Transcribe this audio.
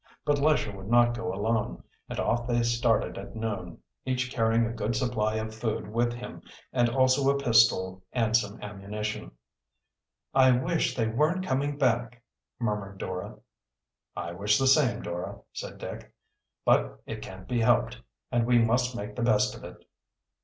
But Lesher would not go alone, and off they started at noon, each carrying a good supply of food with him, and also a pistol and some ammunition. "I wish they weren't coming back," murmured Dora. "I wish the same, Dora," said Dick. "But it can't be helped and we must make the best of it."